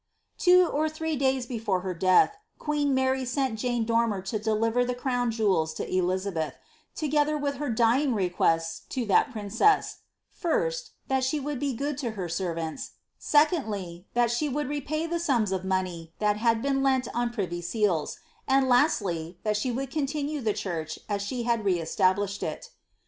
Two or three days before her death, queen Mary sent Jane Dormer to deliver the crown jewels to Elizabeth, togfether with her dying re quests to that princess, ^ first, that she would be good to her servants ; secondly, that she would repay the sums of money that had been lent on privy seals ; and, lastly, that she would continue the church as she had re established it."